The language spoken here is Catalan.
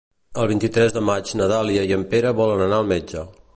El vint-i-tres de maig na Dàlia i en Pere volen anar al metge.